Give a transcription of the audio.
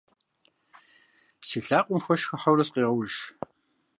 Си лъакъуэм хуэш хыхьэурэ сыкъегъэуш.